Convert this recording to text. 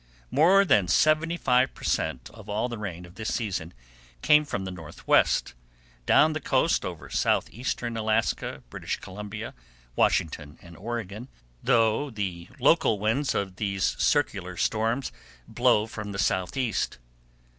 More than seventy five per cent. of all the rain of this season came from the northwest, down the coast over southeastern Alaska, British Columbia, Washington, and Oregon, though the local winds of these circular storms blow from the southeast.